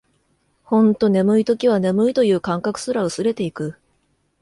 ほんと眠い時は、眠いという感覚すら薄れていく